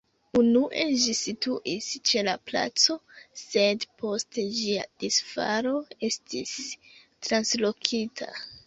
Unue ĝi situis ĉe la placo, sed post ĝia disfalo estis translokita.